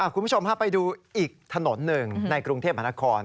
คุณผู้ชมพาไปดูอีกถนนหนึ่งในกรุงเทพมหานคร